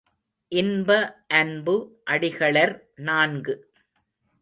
இன்ப அன்பு அடிகளர் நான்கு.